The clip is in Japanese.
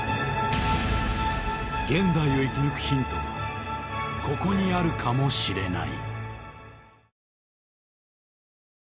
現代を生き抜くヒントがここにあるかもしれない。